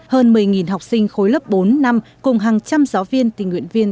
hơn một mươi học sinh khối lớp bốn năm cùng hàng trăm giáo viên tình nguyện viên